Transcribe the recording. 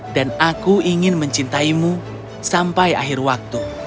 dan aku ingin mencintaimu sampai akhir waktu